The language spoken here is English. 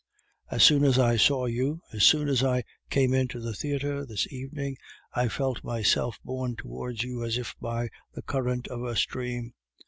As soon as I saw you, as soon as I came into the theatre this evening, I felt myself borne towards you as if by the current of a stream.